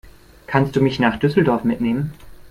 Kannst du mich nach Düsseldorf mitnehmen?